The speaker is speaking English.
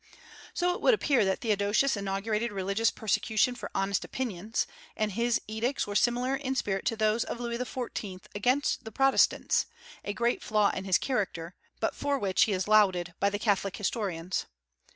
So it would appear that Theodosius inaugurated religious persecution for honest opinions, and his edicts were similar in spirit to those of Louis XIV. against the Protestants, a great flaw in his character, but for which he is lauded by the Catholic historians.